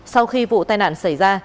sau khi vụ tai nạn xảy ra